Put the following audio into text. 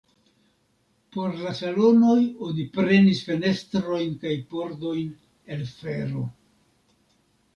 Por la salonoj oni prenis fenestrojn kaj pordojn el fero.